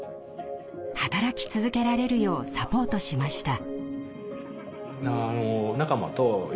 働き続けられるようサポートしました。